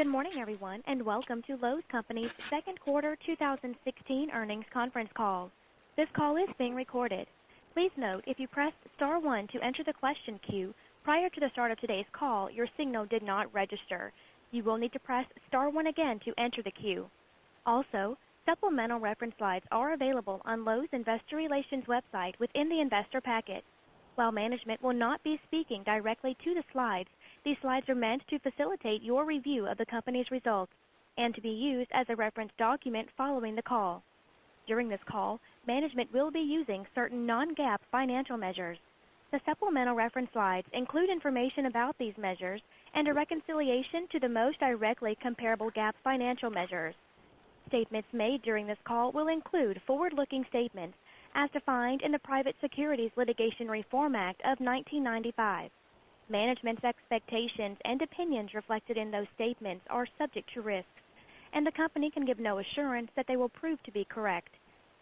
Good morning everyone, welcome to Lowe's Companies' second quarter 2016 earnings conference call. This call is being recorded. Please note if you pressed star one to enter the question queue prior to the start of today's call, your signal did not register. You will need to press star one again to enter the queue. Also, supplemental reference slides are available on Lowe's Investor Relations website within the investor packet. While management will not be speaking directly to the slides, these slides are meant to facilitate your review of the company's results and to be used as a reference document following the call. During this call, management will be using certain non-GAAP financial measures. The supplemental reference slides include information about these measures and a reconciliation to the most directly comparable GAAP financial measures. Statements made during this call will include forward-looking statements as defined in the Private Securities Litigation Reform Act of 1995. Management's expectations and opinions reflected in those statements are subject to risks, the company can give no assurance that they will prove to be correct.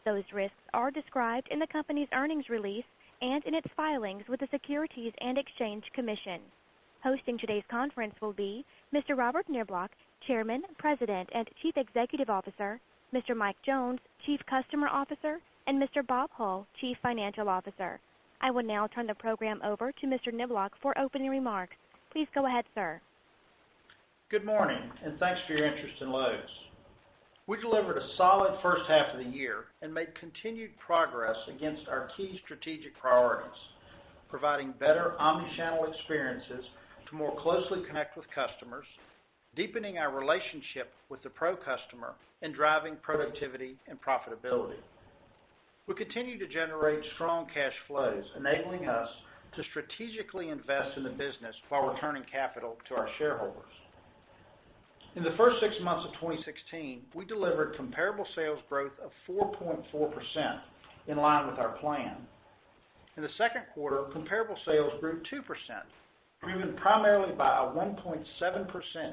Those risks are described in the company's earnings release and in its filings with the Securities and Exchange Commission. Hosting today's conference will be Mr. Robert Niblock, Chairman, President and Chief Executive Officer, Mr. Mike Jones, Chief Customer Officer, Mr. Bob Hull, Chief Financial Officer. I will now turn the program over to Mr. Niblock for opening remarks. Please go ahead, sir. Good morning, thanks for your interest in Lowe's. We delivered a solid first half of the year and made continued progress against our key strategic priorities, providing better omni-channel experiences to more closely connect with customers, deepening our relationship with the pro customer, and driving productivity and profitability. We continue to generate strong cash flows, enabling us to strategically invest in the business while returning capital to our shareholders. In the first six months of 2016, we delivered comparable sales growth of 4.4%, in line with our plan. In the second quarter, comparable sales grew 2%, driven primarily by a 1.7%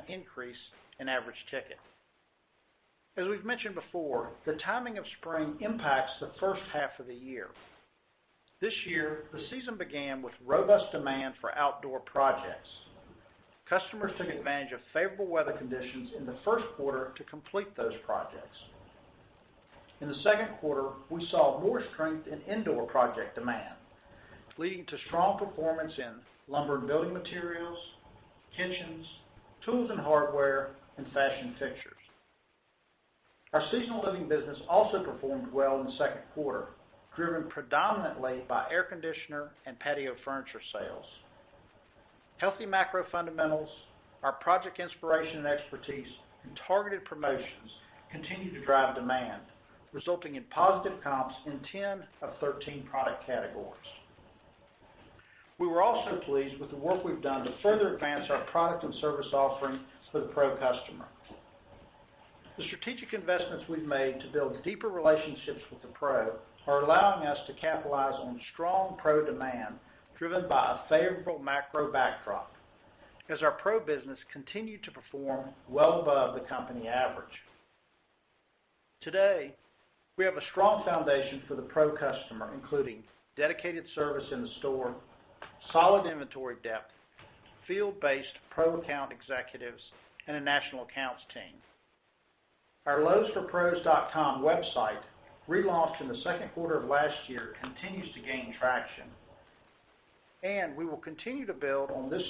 increase in average ticket. As we've mentioned before, the timing of spring impacts the first half of the year. This year, the season began with robust demand for outdoor projects. Customers took advantage of favorable weather conditions in the first quarter to complete those projects. In the second quarter, we saw more strength in indoor project demand, leading to strong performance in lumber and building materials, kitchens, tools and hardware, and fashion fixtures. Our seasonal living business also performed well in the second quarter, driven predominantly by air conditioner and patio furniture sales. Healthy macro fundamentals, our project inspiration and expertise, and targeted promotions continued to drive demand, resulting in positive comps in 10 of 13 product categories. We were also pleased with the work we've done to further advance our product and service offerings for the pro customer. The strategic investments we've made to build deeper relationships with the pro are allowing us to capitalize on strong pro demand, driven by a favorable macro backdrop, as our pro business continued to perform well above the company average. Today, we have a strong foundation for the pro customer, including dedicated service in the store, solid inventory depth, field-based pro account executives, and a national accounts team. Our lowesforpros.com website, relaunched in the second quarter of last year, continues to gain traction. We will continue to build on this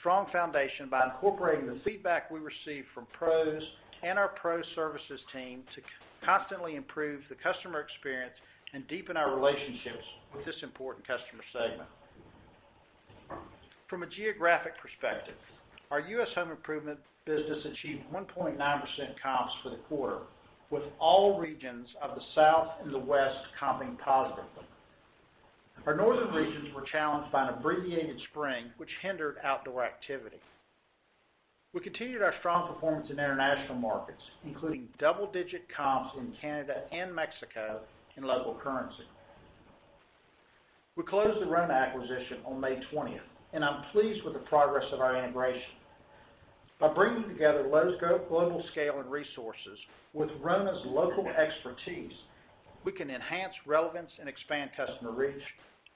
strong foundation by incorporating the feedback we receive from pros and our pro services team to constantly improve the customer experience and deepen our relationships with this important customer segment. From a geographic perspective, our U.S. home improvement business achieved 1.9% comps for the quarter, with all regions of the South and the West comping positively. Our northern regions were challenged by an abbreviated spring, which hindered outdoor activity. We continued our strong performance in international markets, including double-digit comps in Canada and Mexico in local currency. We closed the RONA acquisition on May 20th, and I'm pleased with the progress of our integration. By bringing together Lowe's global scale and resources with RONA's local expertise, we can enhance relevance and expand customer reach,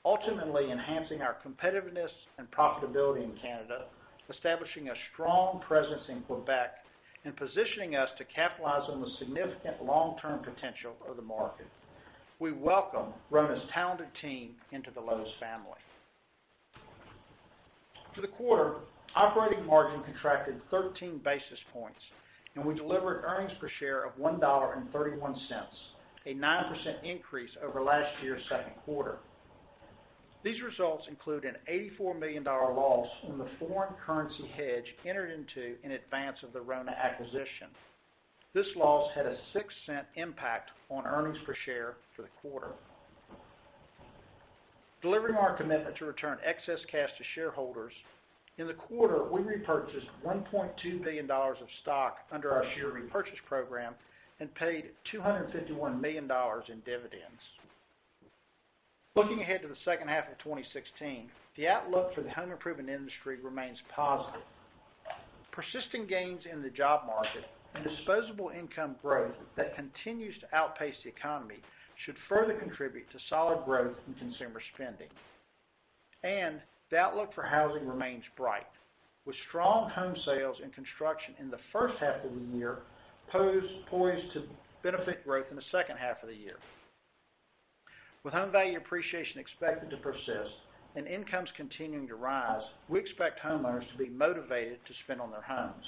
ultimately enhancing our competitiveness and profitability in Canada, establishing a strong presence in Quebec, and positioning us to capitalize on the significant long-term potential of the market. We welcome RONA's talented team into the Lowe's family. For the quarter, operating margin contracted 13 basis points, and we delivered earnings per share of $1.31, a 9% increase over last year's second quarter. These results include an $84 million loss on the foreign currency hedge entered into in advance of the RONA acquisition. This loss had a $0.06 impact on earnings per share for the quarter. Delivering on our commitment to return excess cash to shareholders, in the quarter, we repurchased $1.2 billion of stock under our share repurchase program and paid $251 million in dividends. Looking ahead to the second half of 2016, the outlook for the home improvement industry remains positive. Persistent gains in the job market and disposable income growth that continues to outpace the economy should further contribute to solid growth in consumer spending. The outlook for housing remains bright, with strong home sales and construction in the first half of the year poised to benefit growth in the second half of the year. With home value appreciation expected to persist and incomes continuing to rise, we expect homeowners to be motivated to spend on their homes.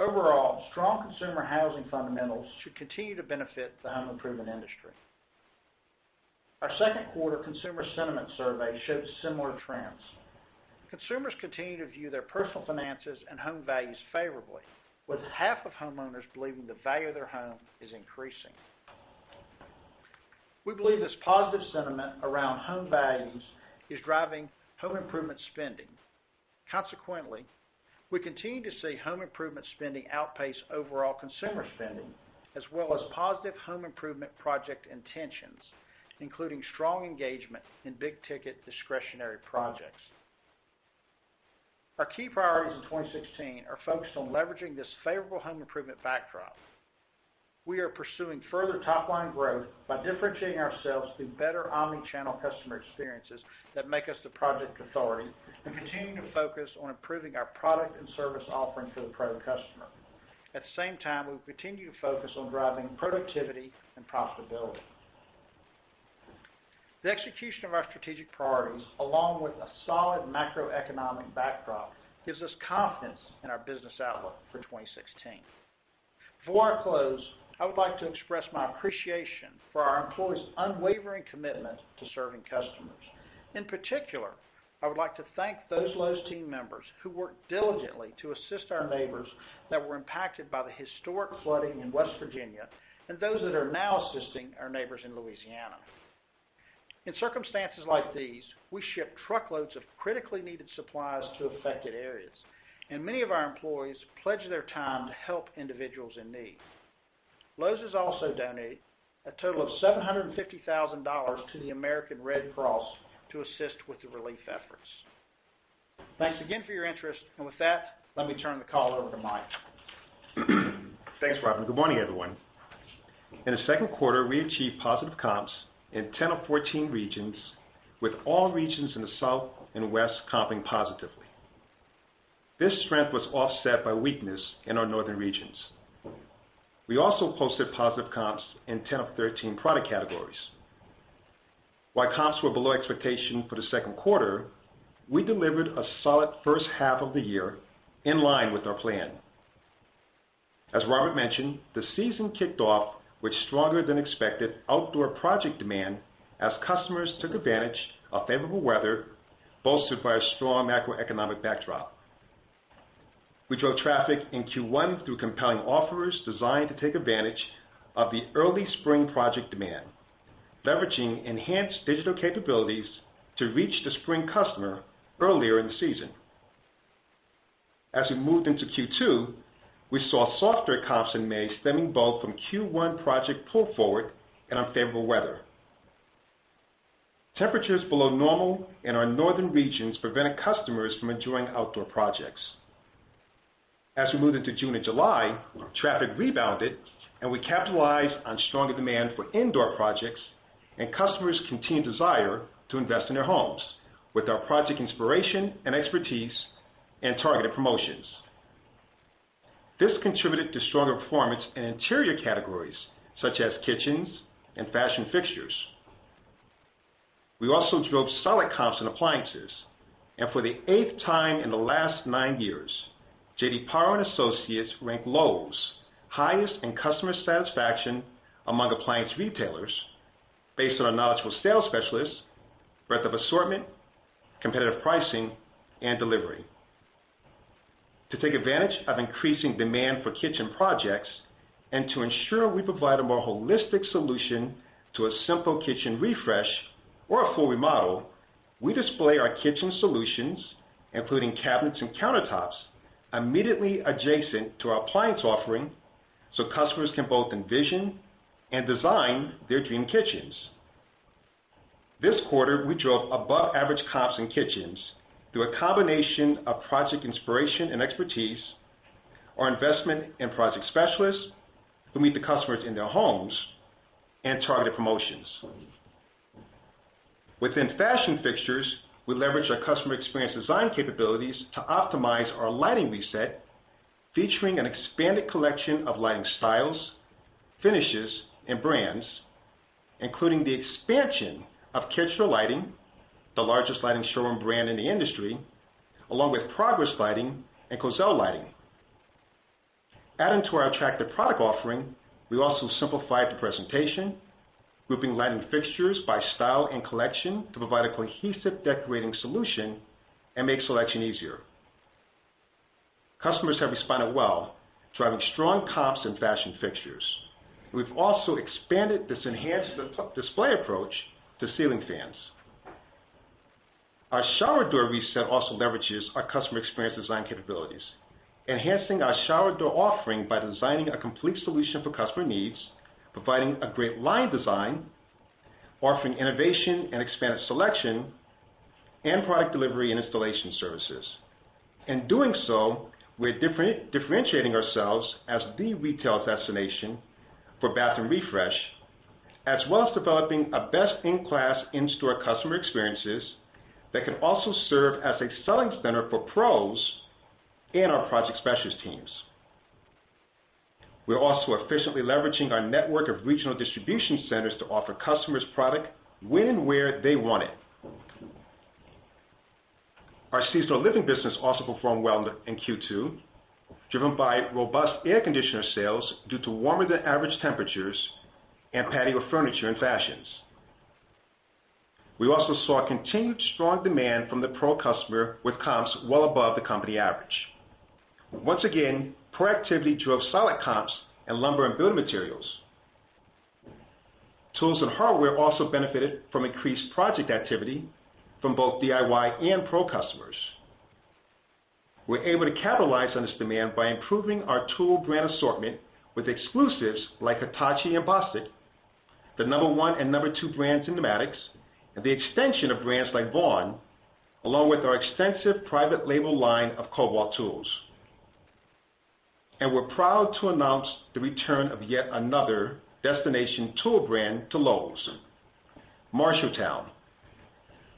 Overall, strong consumer housing fundamentals should continue to benefit the home improvement industry. Our second quarter Consumer Sentiment Survey shows similar trends. Consumers continue to view their personal finances and home values favorably, with half of homeowners believing the value of their home is increasing. We believe this positive sentiment around home values is driving home improvement spending. Consequently, we continue to see home improvement spending outpace overall consumer spending, as well as positive home improvement project intentions, including strong engagement in big-ticket discretionary projects. Our key priorities in 2016 are focused on leveraging this favorable home improvement backdrop. We are pursuing further top-line growth by differentiating ourselves through better omni-channel customer experiences that make us the project authority and continuing to focus on improving our product and service offering for the pro customer. At the same time, we continue to focus on driving productivity and profitability. The execution of our strategic priorities, along with a solid macroeconomic backdrop, gives us confidence in our business outlook for 2016. Before I close, I would like to express my appreciation for our employees' unwavering commitment to serving customers. In particular, I would like to thank those Lowe's team members who worked diligently to assist our neighbors that were impacted by the historic flooding in West Virginia and those that are now assisting our neighbors in Louisiana. In circumstances like these, we ship truckloads of critically needed supplies to affected areas, and many of our employees pledge their time to help individuals in need. Lowe's has also donated a total of $750,000 to the American Red Cross to assist with the relief efforts. Thanks again for your interest. With that, let me turn the call over to Mike. Thanks, Robert. Good morning, everyone. In the second quarter, we achieved positive comps in 10 of 14 regions, with all regions in the South and West comping positively. This strength was offset by weakness in our northern regions. We also posted positive comps in 10 of 13 product categories. While comps were below expectation for the second quarter, we delivered a solid first half of the year in line with our plan. As Robert mentioned, the season kicked off with stronger than expected outdoor project demand as customers took advantage of favorable weather bolstered by a strong macroeconomic backdrop. We drove traffic in Q1 through compelling offers designed to take advantage of the early spring project demand, leveraging enhanced digital capabilities to reach the spring customer earlier in the season. We moved into Q2, we saw softer comps in May, stemming both from Q1 project pull forward and unfavorable weather. Temperatures below normal in our northern regions prevented customers from enjoying outdoor projects. We moved into June and July, traffic rebounded, and we capitalized on stronger demand for indoor projects and customers' continued desire to invest in their homes with our project inspiration and expertise and targeted promotions. This contributed to stronger performance in interior categories such as kitchens and fashion fixtures. We also drove solid comps in appliances, and for the eighth time in the last nine years, J.D. Power and Associates ranked Lowe's highest in customer satisfaction among appliance retailers based on our knowledgeable sales specialists, breadth of assortment, competitive pricing, and delivery. To take advantage of increasing demand for kitchen projects and to ensure we provide a more holistic solution to a simple kitchen refresh or a full remodel, we display our kitchen solutions, including cabinets and countertops, immediately adjacent to our appliance offering so customers can both envision and design their dream kitchens. This quarter, we drove above-average comps in kitchens through a combination of project inspiration and expertise, our investment in project specialists who meet the customers in their homes, and targeted promotions. Within fashion fixtures, we leverage our customer experience design capabilities to optimize our lighting reset, featuring an expanded collection of lighting styles, finishes, and brands, including the expansion of Kichler Lighting, the largest lighting showroom brand in the industry, along with Progress Lighting and Quoizel Lighting. Adding to our attractive product offering, we also simplified the presentation, grouping lighting fixtures by style and collection to provide a cohesive decorating solution and make selection easier. Customers have responded well, driving strong comps and fashion fixtures. We've also expanded this enhanced display approach to ceiling fans. Our shower door reset also leverages our customer experience design capabilities, enhancing our shower door offering by designing a complete solution for customer needs, providing a great line design, offering innovation and expanded selection, and product delivery and installation services. In doing so, we're differentiating ourselves as the retail destination for bath and refresh, as well as developing a best-in-class in-store customer experiences that can also serve as a selling center for pros and our project specialist teams. We're also efficiently leveraging our network of regional distribution centers to offer customers product when and where they want it. Our seasonal living business also performed well in Q2, driven by robust air conditioner sales due to warmer than average temperatures and patio furniture and fashions. We also saw continued strong demand from the pro customer with comps well above the company average. Once again, proactivity drove solid comps in lumber and building materials. Tools and hardware also benefited from increased project activity from both DIY and pro customers. We're able to capitalize on this demand by improving our tool brand assortment with exclusives like Hitachi and BOSTITCH, the number 1 and number 2 brands in pneumatics, and the extension of brands like Vaughan, along with our extensive private label line of Kobalt tools. We're proud to announce the return of yet another destination tool brand to Lowe's, MARSHALLTOWN,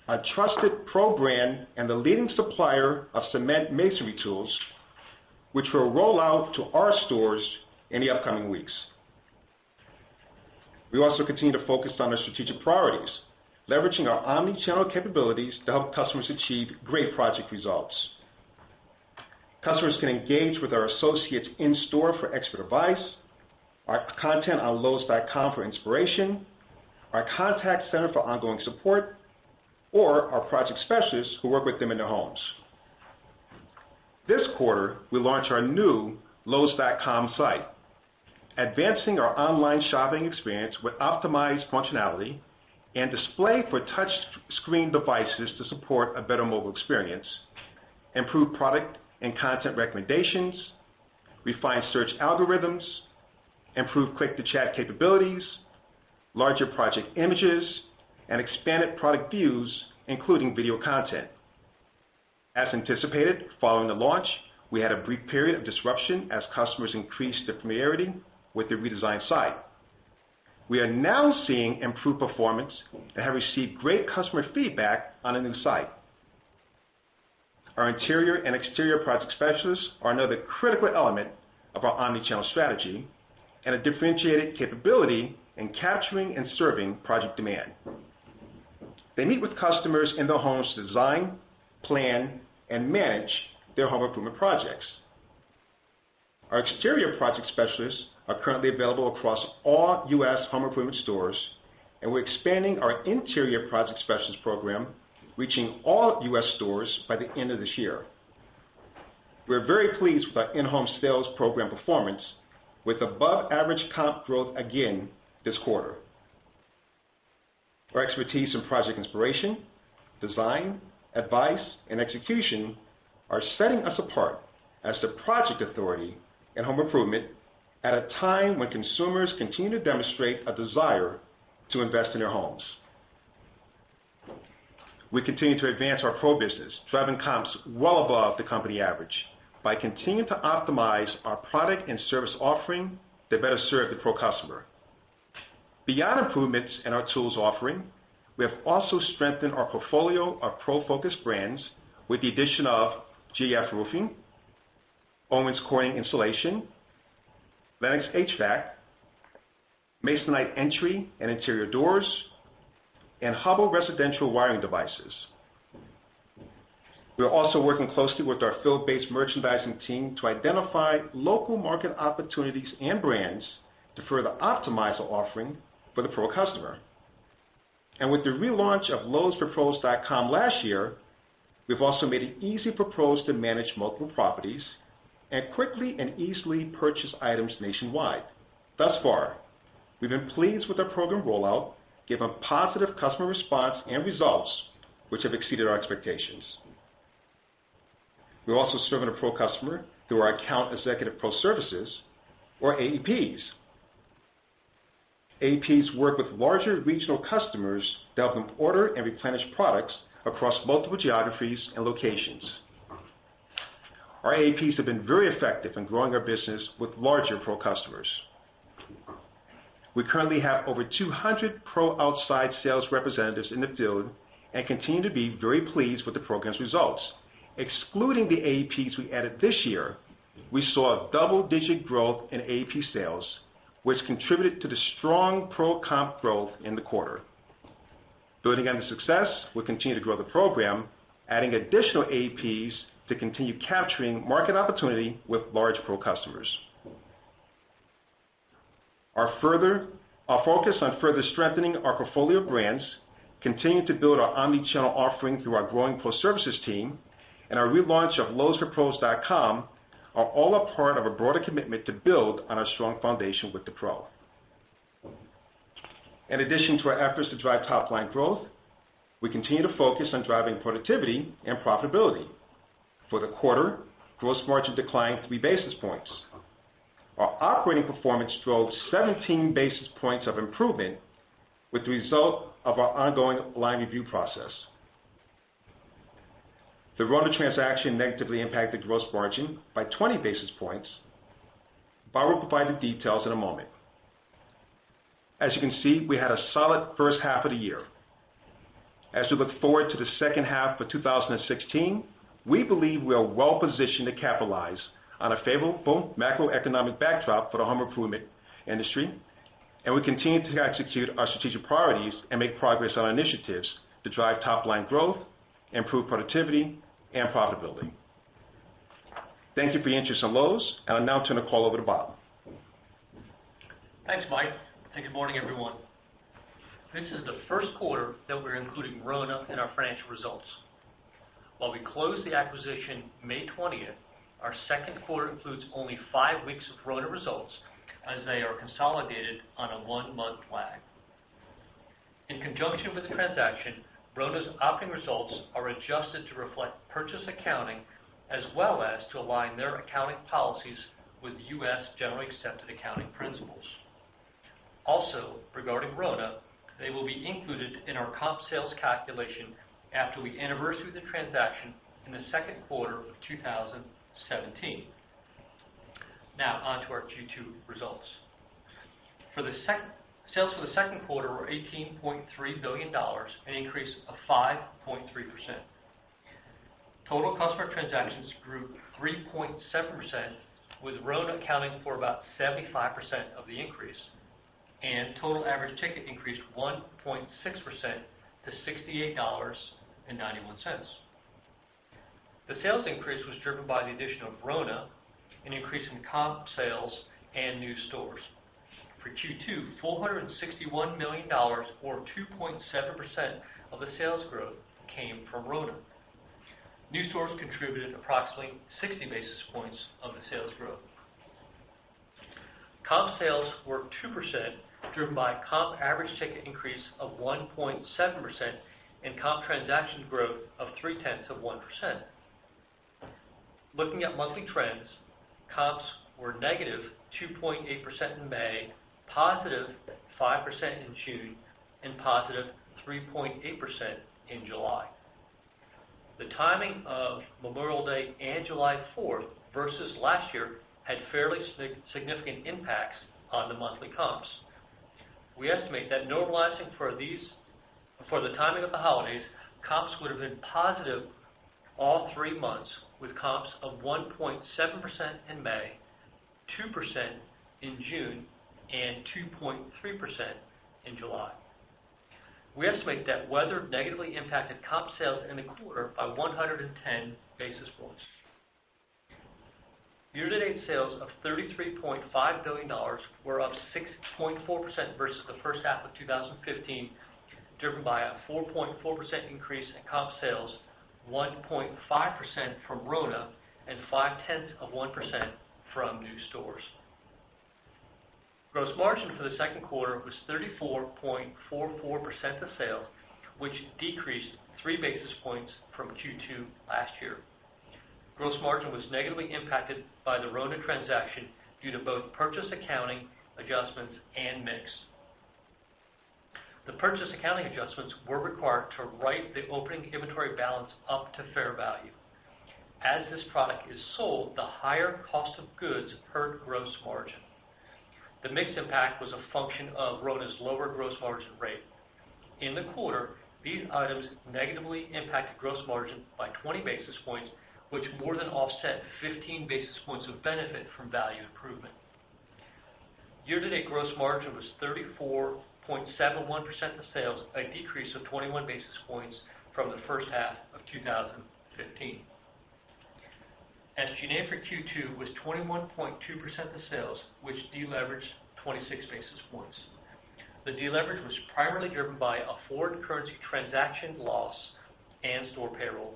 a trusted pro brand and the leading supplier of cement masonry tools, which will roll out to our stores in the upcoming weeks. We also continue to focus on our strategic priorities, leveraging our omni-channel capabilities to help customers achieve great project results. Customers can engage with our associates in-store for expert advice, our content on lowes.com for inspiration, our contact center for ongoing support, or our project specialists who work with them in their homes. This quarter, we launched our new lowes.com site, advancing our online shopping experience with optimized functionality and display for touch screen devices to support a better mobile experience, improve product and content recommendations, refine search algorithms, improve click-to-chat capabilities, larger project images, and expanded product views, including video content. As anticipated, following the launch, we had a brief period of disruption as customers increased their familiarity with the redesigned site. We are now seeing improved performance and have received great customer feedback on the new site. Our interior and exterior project specialists are another critical element of our omni-channel strategy and a differentiated capability in capturing and serving project demand. They meet with customers in their homes to design, plan, and manage their home improvement projects. Our exterior project specialists are currently available across all U.S. home improvement stores, and we're expanding our interior project specialists program, reaching all U.S. stores by the end of this year. We're very pleased with our in-home sales program performance with above-average comp growth again this quarter. Our expertise in project inspiration, design, advice, and execution are setting us apart as the project authority in home improvement at a time when consumers continue to demonstrate a desire to invest in their homes. We continue to advance our pro business, driving comps well above the company average by continuing to optimize our product and service offering to better serve the pro customer. Beyond improvements in our tools offering, we have also strengthened our portfolio of pro-focused brands with the addition of GAF Roofing, Owens Corning Insulation, Lennox HVAC, Masonite entry and interior doors, and Hubbell residential wiring devices. We are also working closely with our field-based merchandising team to identify local market opportunities and brands to further optimize the offering for the pro customer. With the relaunch of lowesforpros.com last year, we've also made it easy for pros to manage multiple properties and quickly and easily purchase items nationwide. Thus far, we've been pleased with our program rollout, given positive customer response and results which have exceeded our expectations. We're also serving a pro customer through our Account Executive Pro Services or AEPs. AEPs work with larger regional customers to help them order and replenish products across multiple geographies and locations. Our AEPs have been very effective in growing our business with larger pro customers. We currently have over 200 pro outside sales representatives in the field and continue to be very pleased with the program's results. Excluding the AEPs we added this year, we saw a double-digit growth in AEP sales, which contributed to the strong pro comp growth in the quarter. Building on the success, we continue to grow the program, adding additional AEPs to continue capturing market opportunity with large pro customers. Our focus on further strengthening our portfolio of brands, continuing to build our omni-channel offering through our growing pro services team, and our relaunch of lowesforpros.com are all a part of a broader commitment to build on our strong foundation with the pro. In addition to our efforts to drive top-line growth, we continue to focus on driving productivity and profitability. For the quarter, gross margin declined three basis points. Our operating performance drove 17 basis points of improvement with the result of our ongoing line review process. The RONA transaction negatively impacted gross margin by 20 basis points. Bob will provide the details in a moment. As you can see, we had a solid first half of the year. As we look forward to the second half of 2016, we believe we are well positioned to capitalize on a favorable macroeconomic backdrop for the home improvement industry, we continue to execute our strategic priorities and make progress on our initiatives to drive top-line growth, improve productivity, and profitability. Thank you for your interest in Lowe's, I'll now turn the call over to Bob. Thanks, Mike. Good morning, everyone. This is the first quarter that we're including RONA in our financial results. While we closed the acquisition May 20, our second quarter includes only five weeks of RONA results as they are consolidated on a one-month lag. In conjunction with the transaction, RONA's operating results are adjusted to reflect purchase accounting as well as to align their accounting policies with U.S. general accepted accounting principles. Regarding RONA, they will be included in our comp sales calculation after we anniversary the transaction in the second quarter of 2017. On to our Q2 results. Sales for the second quarter were $18.3 billion, an increase of 5.3%. Total customer transactions grew 3.7%, with RONA accounting for about 75% of the increase, and total average ticket increased 1.6% to $68.91. The sales increase was driven by the addition of RONA, an increase in comp sales, and new stores. For Q2, $461 million, or 2.7% of the sales growth, came from RONA. New stores contributed approximately 60 basis points of the sales growth. Comp sales were 2%, driven by comp average ticket increase of 1.7% and comp transactions growth of 0.3%. Looking at monthly trends, comps were negative 2.8% in May, positive 5% in June, and positive 3.8% in July. The timing of Memorial Day and July 4 versus last year had fairly significant impacts on the monthly comps. We estimate that normalizing for the timing of the holidays, comps would have been positive all three months, with comps of 1.7% in May, 2% in June and 2.3% in July. We estimate that weather negatively impacted comp sales in the quarter by 110 basis points. Year-to-date sales of $33.5 billion were up 6.4% versus the first half of 2015, driven by a 4.4% increase in comp sales, 1.5% from RONA and 0.5% from new stores. Gross margin for the second quarter was 34.44% of sales, which decreased three basis points from Q2 last year. Gross margin was negatively impacted by the RONA transaction due to both purchase accounting adjustments and mix. The purchase accounting adjustments were required to write the opening inventory balance up to fair value. As this product is sold, the higher cost of goods hurt gross margin. The mix impact was a function of RONA's lower gross margin rate. In the quarter, these items negatively impacted gross margin by 20 basis points, which more than offset 15 basis points of benefit from value improvement. Year-to-date gross margin was 34.71% of sales, a decrease of 21 basis points from the first half of 2015. SG&A for Q2 was 21.2% of sales, which deleveraged 26 basis points. The deleverage was primarily driven by a foreign currency transaction loss and store payroll.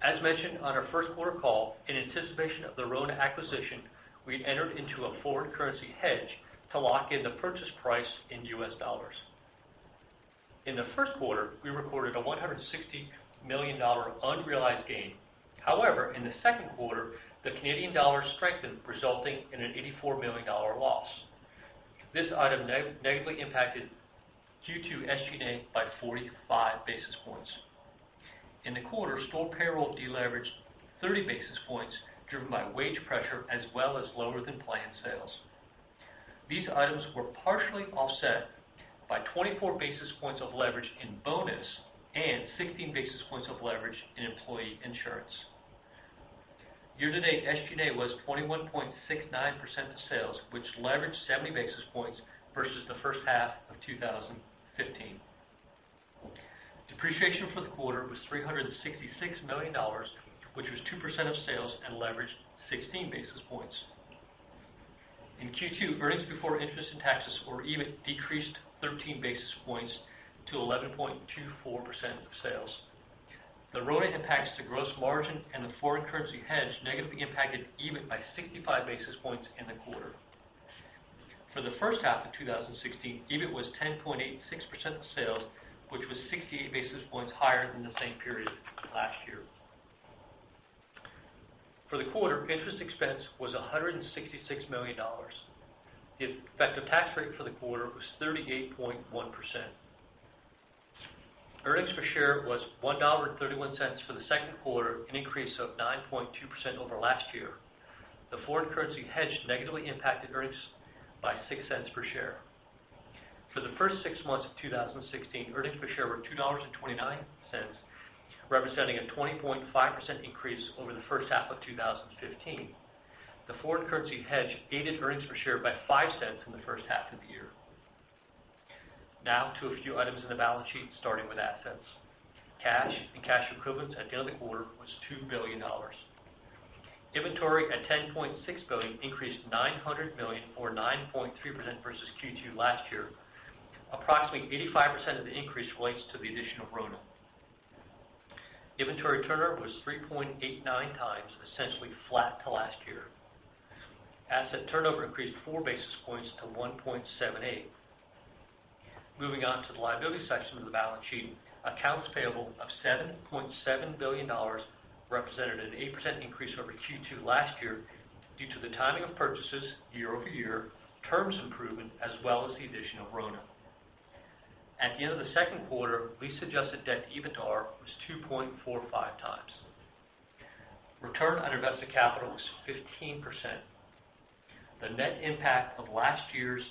As mentioned on our first quarter call, in anticipation of the RONA acquisition, we entered into a foreign currency hedge to lock in the purchase price in U.S. dollars. In the first quarter, we recorded a $160 million unrealized gain. In the second quarter, the Canadian dollar strengthened, resulting in an $84 million loss. This item negatively impacted Q2 SG&A by 45 basis points. In the quarter, store payroll deleveraged 30 basis points driven by wage pressure as well as lower-than-planned sales. These items were partially offset by 24 basis points of leverage in bonus and 16 basis points of leverage in employee insurance. Year-to-date SG&A was 21.69% of sales, which leveraged 70 basis points versus the first half of 2015. Depreciation for the quarter was $366 million, which was 2% of sales and leveraged 16 basis points. In Q2, earnings before interest and taxes or EBIT decreased 13 basis points to 11.24% of sales. The RONA impacts to gross margin and the foreign currency hedge negatively impacted EBIT by 65 basis points in the quarter. For the first half of 2016, EBIT was 10.86% of sales, which was 68 basis points higher than the same period last year. For the quarter, interest expense was $166 million. The effective tax rate for the quarter was 38.1%. Earnings per share was $1.31 for the second quarter, an increase of 9.2% over last year. The foreign currency hedge negatively impacted earnings by $0.06 per share. For the first six months of 2016, earnings per share were $2.29, representing a 20.5% increase over the first half of 2015. The foreign currency hedge aided earnings per share by $0.05 in the first half of the year. To a few items in the balance sheet, starting with assets. Cash and cash equivalents at the end of the quarter was $2 billion. Inventory at $10.6 billion increased $900 million, or 9.3% versus Q2 last year. Approximately 85% of the increase relates to the addition of RONA. Inventory turnover was 3.89 times, essentially flat to last year. Asset turnover increased four basis points to 1.78. Moving on to the liability section of the balance sheet. Accounts payable of $7.7 billion represented an 8% increase over Q2 last year due to the timing of purchases year-over-year, terms improvement, as well as the addition of RONA. At the end of the second quarter, lease-adjusted debt-to-EBITDAR was 2.45 times. Return on invested capital was 15%. The net impact of last year's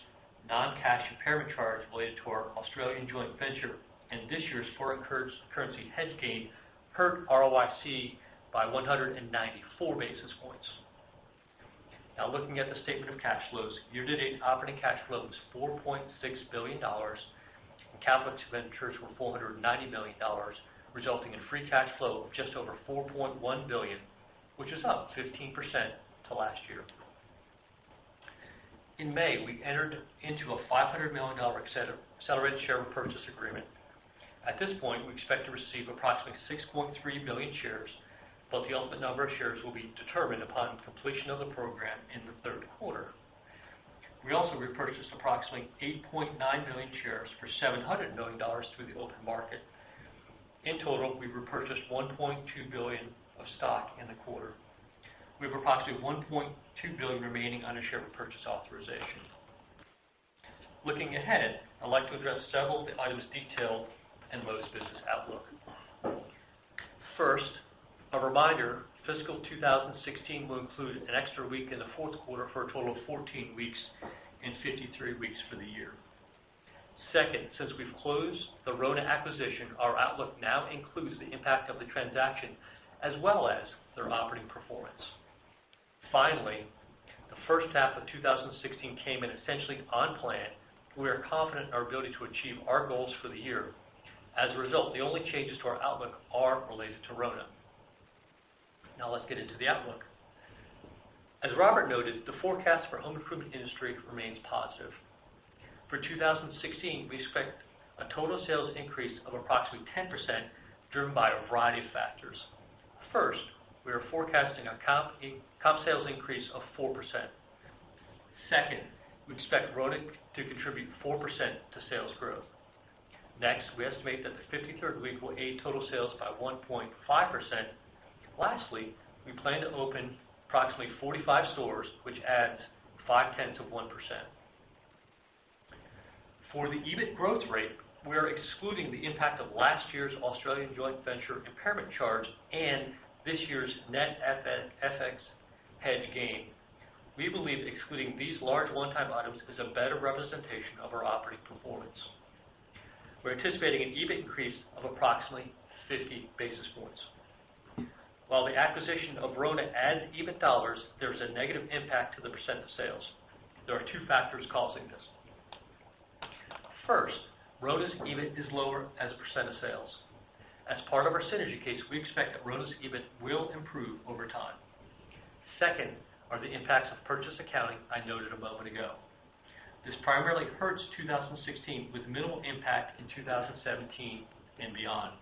non-cash impairment charge related to our Australian joint venture and this year's foreign currency hedge gain hurt ROIC by 194 basis points. Looking at the statement of cash flows. Year-to-date operating cash flow was $4.6 billion and capital expenditures were $490 million, resulting in free cash flow of just over $4.1 billion, which is up 15% to last year. In May, we entered into a $500 million accelerated share repurchase agreement. At this point, we expect to receive approximately 6.3 million shares, the ultimate number of shares will be determined upon completion of the program in the third quarter. We also repurchased approximately 8.9 million shares for $700 million through the open market. In total, we repurchased $1.2 billion of stock in the quarter. We have approximately $1.2 billion remaining on our share repurchase authorization. Looking ahead, I'd like to address several of the items detailed in Lowe's business outlook. First, a reminder, fiscal 2016 will include an extra week in the fourth quarter for a total of 14 weeks and 53 weeks for the year. Second, since we've closed the RONA acquisition, our outlook now includes the impact of the transaction as well as their operating performance. Finally, the first half of 2016 came in essentially on plan, and we are confident in our ability to achieve our goals for the year. As a result, the only changes to our outlook are related to RONA. Let's get into the outlook. As Robert noted, the forecast for home improvement industry remains positive. For 2016, we expect a total sales increase of approximately 10%, driven by a variety of factors. First, we are forecasting a comp sales increase of 4%. Second, we expect RONA to contribute 4% to sales growth. Next, we estimate that the 53rd week will aid total sales by 1.5%. Lastly, we plan to open approximately 45 stores, which adds five-tenths of 1%. For the EBIT growth rate, we are excluding the impact of last year's Australian joint venture impairment charge and this year's net FX hedge gain. We believe excluding these large one-time items is a better representation of our operating performance. We're anticipating an EBIT increase of approximately 50 basis points. While the acquisition of RONA adds EBIT dollars, there is a negative impact to the percent of sales. There are two factors causing this. First, RONA's EBIT is lower as a percent of sales. As part of our synergy case, we expect that RONA's EBIT will improve over time. Second are the impacts of purchase accounting I noted a moment ago. This primarily hurts 2016, with minimal impact in 2017 and beyond.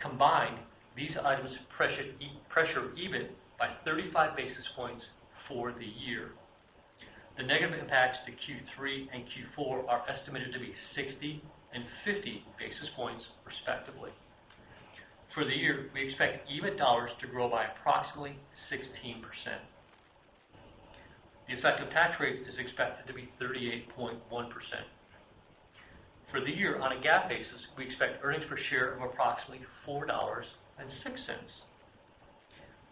Combined, these items pressure EBIT by 35 basis points for the year. The negative impacts to Q3 and Q4 are estimated to be 60 and 50 basis points respectively. For the year, we expect EBIT dollars to grow by approximately 16%. The effective tax rate is expected to be 38.1%. For the year, on a GAAP basis, we expect earnings per share of approximately $4.06.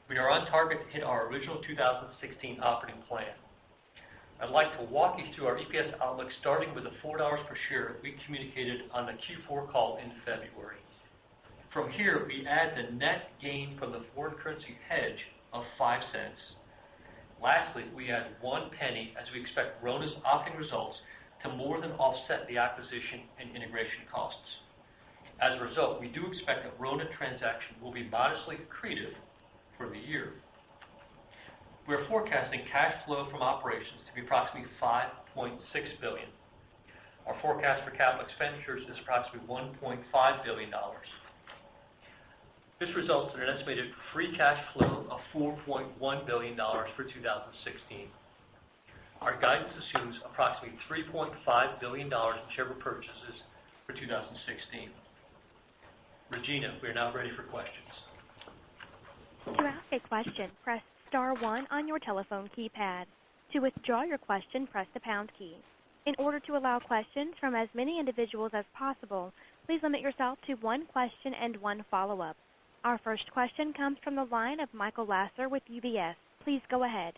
We are on target to hit our original 2016 operating plan. I'd like to walk you through our EPS outlook, starting with the $4 per share we communicated on the Q4 call in February. From here, we add the net gain from the foreign currency hedge of $0.05. Lastly, we add $0.01 as we expect RONA's operating results to more than offset the acquisition and integration costs. As a result, we do expect the RONA transaction will be modestly accretive for the year. We are forecasting cash flow from operations to be approximately $5.6 billion. Our forecast for capital expenditures is approximately $1.5 billion. This results in an estimated free cash flow of $4.1 billion for 2016. Our guidance assumes approximately $3.5 billion in share repurchases for 2016. Regina, we are now ready for questions. To ask a question, press *1 on your telephone keypad. To withdraw your question, press the # key. In order to allow questions from as many individuals as possible, please limit yourself to one question and one follow-up. Our first question comes from the line of Michael Lasser with UBS. Please go ahead.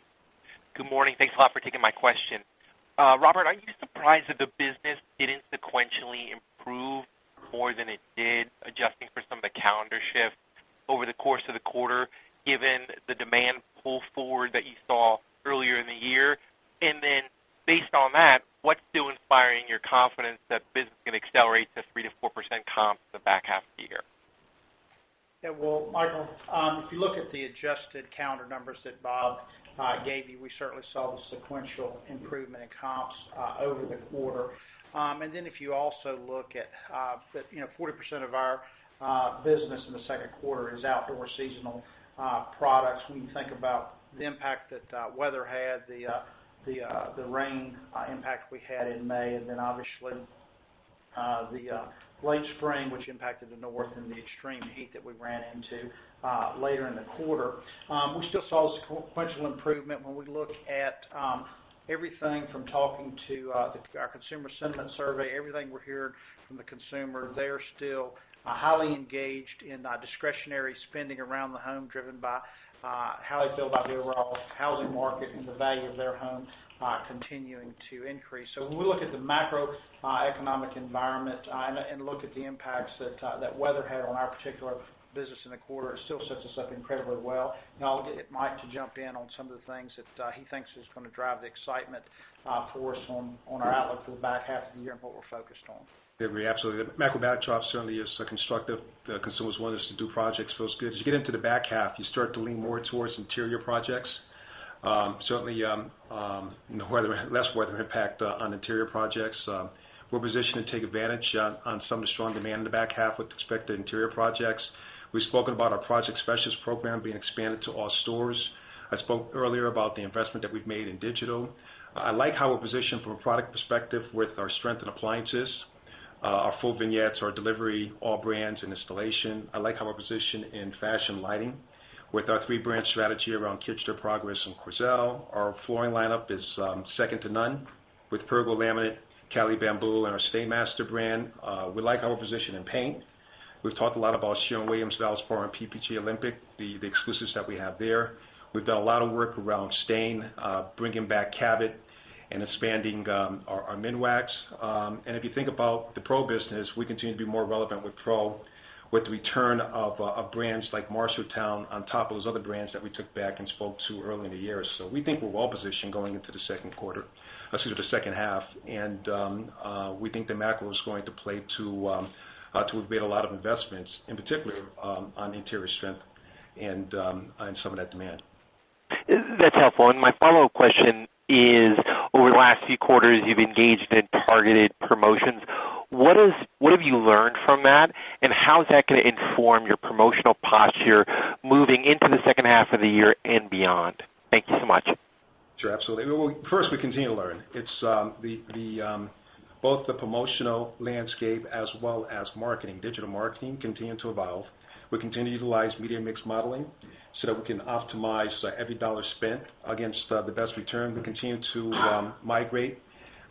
Good morning. Thanks a lot for taking my question. Robert, are you surprised that the business didn't sequentially improve more than it did, adjusting for some of the calendar shifts over the course of the quarter, given the demand pull forward that you saw earlier in the year? Based on that, what's still inspiring your confidence that business can accelerate to 3%-4% comps the back half of the year? Well, Michael, if you look at the adjusted calendar numbers that Bob gave you, we certainly saw the sequential improvement in comps over the quarter. If you also look at the 40% of our business in the second quarter is outdoor seasonal products. When you think about the impact that weather had, the rain impact we had in May, obviously, the late spring, which impacted the North and the extreme heat that we ran into later in the quarter. We still saw sequential improvement when we look at everything from talking to our consumer sentiment survey, everything we're hearing from the consumer, they are still highly engaged in discretionary spending around the home, driven by how they feel about the overall housing market and the value of their home continuing to increase. When we look at the macroeconomic environment and look at the impacts that weather had on our particular business in the quarter, it still sets us up incredibly well. I'll get Mike to jump in on some of the things that he thinks is going to drive the excitement for us on our outlook for the back half of the year and what we're focused on. Absolutely. The macro backdrop certainly is constructive. Consumers wanting us to do projects feels good. As you get into the back half, you start to lean more towards interior projects. Certainly, less weather impact on interior projects. We're positioned to take advantage on some of the strong demand in the back half with expected interior projects. We've spoken about our Project Specialist Program being expanded to all stores. I spoke earlier about the investment that we've made in digital. I like how we're positioned from a product perspective with our strength in appliances, our full vignettes, our delivery, all brands, and installation. I like how we're positioned in fashion lighting with our three-brand strategy around Kichler Progress and Quoizel. Our flooring lineup is second to none with Pergo Laminate, Cali Bamboo, and our STAINMASTER brand. We like our position in paint. We've talked a lot about Sherwin-Williams, Valspar, and PPG Olympic, the exclusives that we have there. We've done a lot of work around stain, bringing back Cabot and expanding our Minwax. If you think about the pro business, we continue to be more relevant with pro with the return of brands like MARSHALLTOWN on top of those other brands that we took back and spoke to early in the year. We think we're well-positioned going into the second half. We think that macro is going to play to have made a lot of investments, in particular on interior strength and on some of that demand. That's helpful. My follow-up question is, over the last few quarters, you've engaged in targeted promotions. What have you learned from that, and how is that going to inform your promotional posture moving into the second half of the year and beyond? Thank you so much. Sure. Absolutely. Well, first, we continue to learn. Both the promotional landscape as well as marketing, digital marketing continue to evolve. We continue to utilize media mix modeling so that we can optimize every dollar spent against the best return. We continue to migrate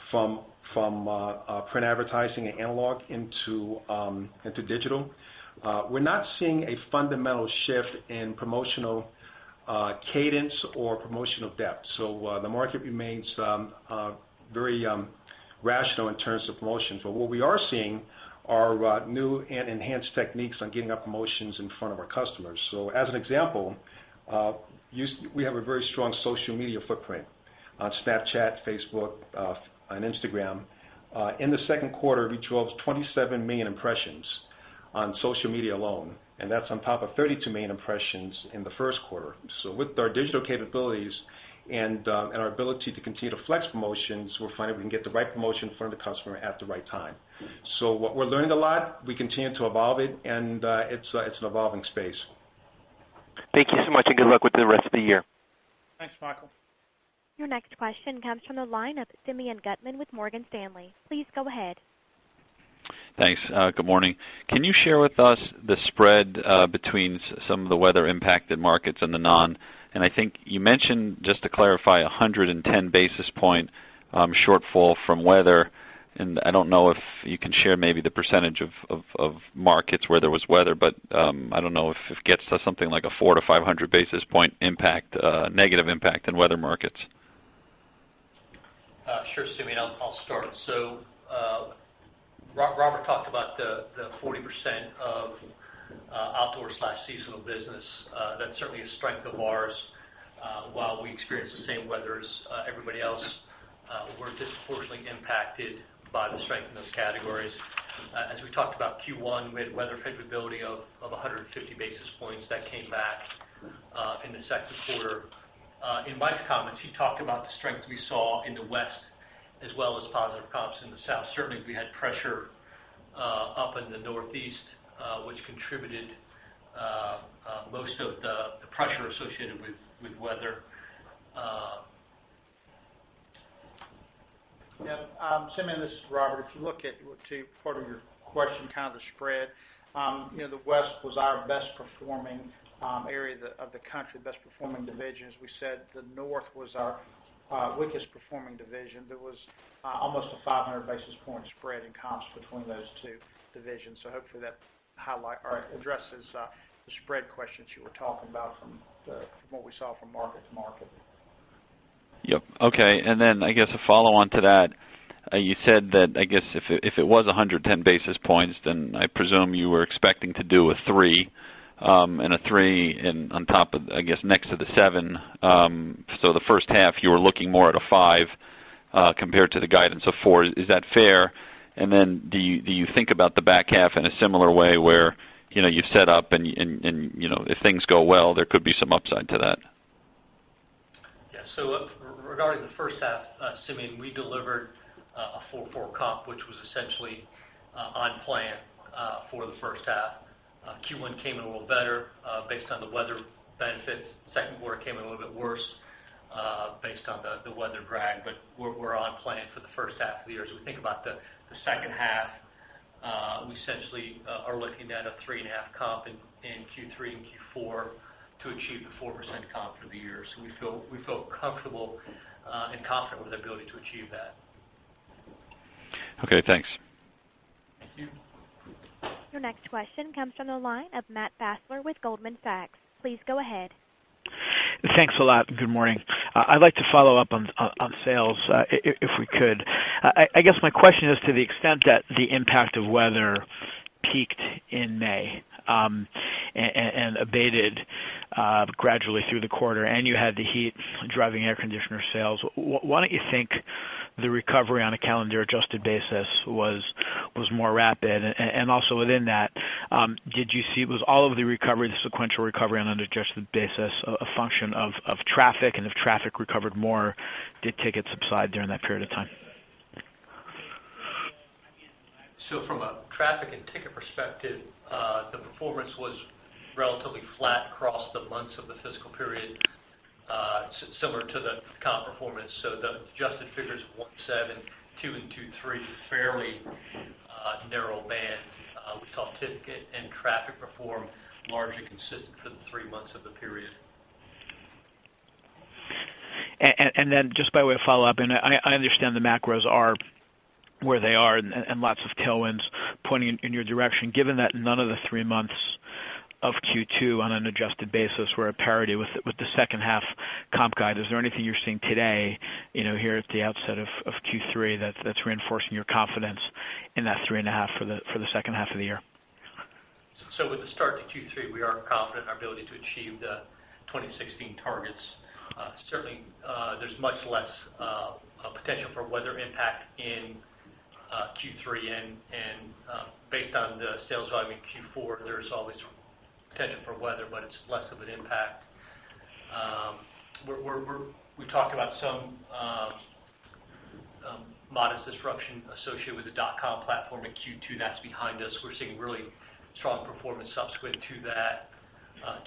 from print advertising and analog into digital. We're not seeing a fundamental shift in promotional cadence or promotional depth. The market remains very rational in terms of promotions. What we are seeing are new and enhanced techniques on getting our promotions in front of our customers. As an example, we have a very strong social media footprint on Snapchat, Facebook, on Instagram. In the second quarter, we drove 27 million impressions on social media alone, and that's on top of 32 million impressions in the first quarter. With our digital capabilities and our ability to continue to flex promotions, we're finding we can get the right promotion in front of the customer at the right time. We're learning a lot. We continue to evolve it, and it's an evolving space. Thank you so much, and good luck with the rest of the year. Thanks, Michael. Your next question comes from the line of Simeon Gutman with Morgan Stanley. Please go ahead. Thanks. Good morning. Can you share with us the spread between some of the weather-impacted markets and the non? I think you mentioned, just to clarify, 110 basis point shortfall from weather. I don't know if you can share maybe the percentage of markets where there was weather, but I don't know if it gets to something like a 400 basis point-500 basis point negative impact in weather markets. Sure, Simeon, I'll start. Robert talked about the 40% of outdoor/seasonal business. That certainly is a strength of ours. While we experience the same weather as everybody else, we're disproportionately impacted by the strength in those categories. As we talked about Q1, we had weather favorability of 150 basis points that came back in the second quarter. In Mike's comments, he talked about the strength we saw in the West as well as positive comps in the South. Certainly, we had pressure up in the Northeast, which contributed most of the pressure associated with weather. Yeah. Simeon, this is Robert. If you look at part of your question, the spread. The West was our best-performing area of the country, best-performing division. As we said, the North was our weakest-performing division. There was almost a 500 basis point spread in comps between those two divisions. Hopefully that addresses the spread questions you were talking about from what we saw from market to market. Yep. Okay. I guess a follow-on to that, you said that, I guess, if it was 110 basis points, I presume you were expecting to do a three. A three in on top of, I guess, next to the seven. The first half, you were looking more at a five, compared to the guidance of four. Is that fair? Do you think about the back half in a similar way where, you've set up and if things go well, there could be some upside to that? Yeah. Regarding the first half, Simeon, we delivered a 4.4 comp, which was essentially on plan for the first half. Q1 came in a little better, based on the weather benefits. Second quarter came in a little bit worse, based on the weather drag. We're on plan for the first half of the year. As we think about the second half, we essentially are looking at a three and a half comp in Q3 and Q4 to achieve the 4% comp for the year. We feel comfortable and confident with our ability to achieve that. Okay, thanks. Thank you. Your next question comes from the line of Matt Fassler with Goldman Sachs. Please go ahead. Thanks a lot. Good morning. I'd like to follow up on sales, if we could. I guess my question is to the extent that the impact of weather peaked in May, and abated gradually through the quarter, and you had the heat driving air conditioner sales, why don't you think the recovery on a calendar-adjusted basis was more rapid? Also within that, did you see it was all of the recovery, the sequential recovery on an adjusted basis, a function of traffic? If traffic recovered more, did tickets subside during that period of time? From a traffic and ticket perspective, the performance was relatively flat across the months of the fiscal period, similar to the comp performance. The adjusted figures of 1.7, two, and 2.3, fairly narrow band. We saw ticket and traffic perform largely consistent for the three months of the period. Just by way of follow-up, I understand the macros are where they are and lots of tailwinds pointing in your direction, given that none of the three months of Q2 on an adjusted basis were a parity with the second half comp guide. Is there anything you're seeing today, here at the outset of Q3, that's reinforcing your confidence in that three and a half for the second half of the year? With the start to Q3, we are confident in our ability to achieve the 2016 targets. Certainly, there's much less potential for weather impact in Q3. Based on the sales volume in Q4, there is always potential for weather, but it's less of an impact. We talked about some modest disruption associated with the lowes.com platform in Q2. That's behind us. We're seeing really strong performance subsequent to that.